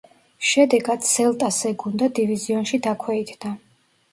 შედეგად „სელტა“ სეგუნდა დივიზიონში დაქვეითდა.